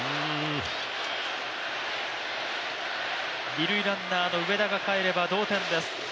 二塁ランナーの植田が帰れば、同点です。